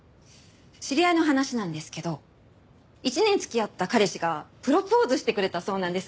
知り合いの話なんですけど１年付き合った彼氏がプロポーズしてくれたそうなんです。